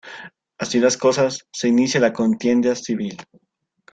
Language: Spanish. Así las cosas, se inicia la contienda civil.